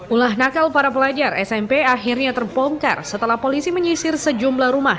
ulah nakal para pelajar smp akhirnya terbongkar setelah polisi menyisir sejumlah rumah